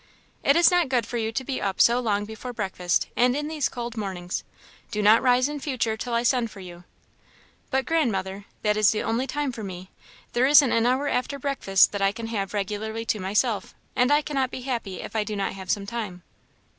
"It is not good for you to be up so long before breakfast, and in these cold mornings. Do not rise in future till I send for you." "But, Grandmother, that is the only time for me there isn't an hour after breakfast that I can have regularly to myself; and I cannot be happy if I do not have some time."